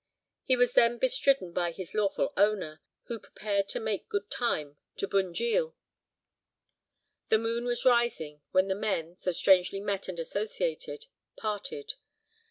He was then bestridden by his lawful owner, who prepared to make good time into Bunjil. The moon was rising, when the men—so strangely met, and associated—parted.